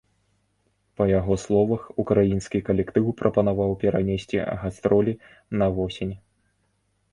Па яго словах, украінскі калектыў прапанаваў перанесці гастролі на восень.